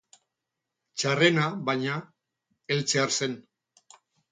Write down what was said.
Txarrena, baina, heltzear zen.